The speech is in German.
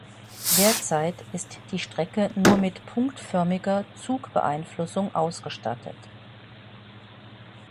Derzeit ist die Strecke nur mit Punktförmiger Zugbeeinflussung ausgestattet.